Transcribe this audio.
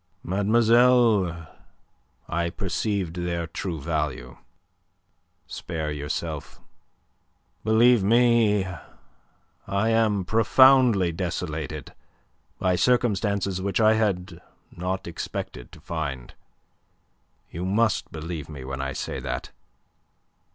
"Mademoiselle, I perceived their true value. Spare yourself. Believe me I am profoundly desolated by circumstances which I had not expected to find. You must believe me when I say that.